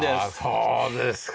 そうですか。